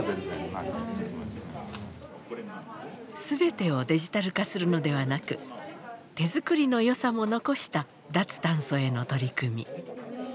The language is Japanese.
全てをデジタル化するのではなく手作りの良さも残した脱炭素への取り組み。